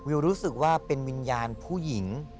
รู้สึกว่าเป็นวิญญาณผู้หญิง